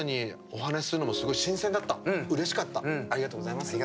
ありがとうございます。